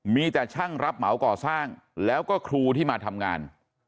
มีแต่ช่างรับเหมาก่อสร้างแล้วก็ครูที่มาทำงาน